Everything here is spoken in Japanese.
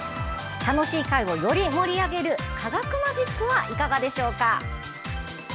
楽しい会をより盛り上げる科学マジックはいかがでしょうか？